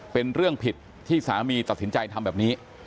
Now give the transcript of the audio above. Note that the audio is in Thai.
เป็นเรื่องผิดที่สามีตัดสินใจทำแบบนี้